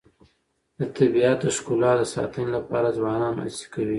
د طبیعت د ښکلا د ساتنې لپاره ځوانان هڅې کوي.